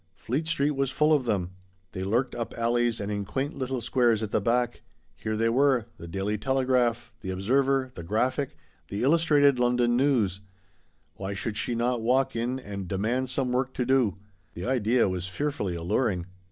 Fleet Street was full of them. They lurked "up alleys and in quaint little squares at the back. Here they were: The Daily Telegram, The Observer, The Graphic, Black and White. Why should she not walk in and demand some work to do? The idea was fearfully alluring.